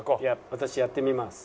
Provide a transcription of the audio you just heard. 「私やってみます」。